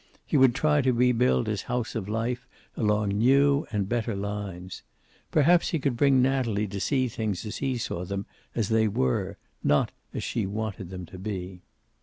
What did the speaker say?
He would try to rebuild his house of life along new and better lines. Perhaps he could bring Natalie to see things as he saw them, as they were, not as she wanted them to be.